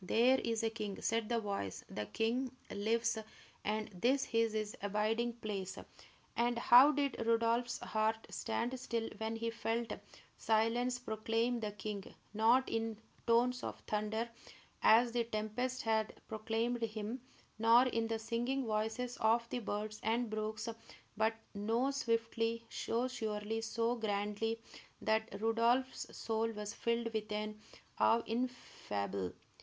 "There is a king!" said the voice. "The king lives, and this is his abiding place!" And how did Rodolph's heart stand still when he felt Silence proclaim the king, not in tones of thunder, as the tempest had proclaimed him, nor in the singing voices of the birds and brooks, but so swiftly, so surely, so grandly, that Rodolph's soul was filled with awe ineffable.